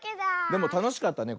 でもたのしかったね